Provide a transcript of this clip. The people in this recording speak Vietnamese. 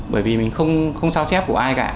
bởi vì mình không sao chép của ai cả